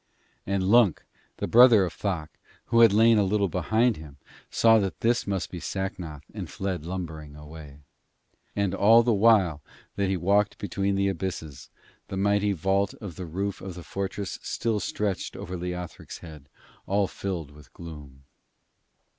And Lunk, the brother of Thok, who had lain a little behind him, saw that this must be Sacnoth and fled lumbering away. And all the while that he walked between the abysses, the mighty vault of the roof of the fortress still stretched over Leothric's head, all filled with gloom.